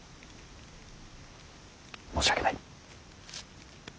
申し訳ない。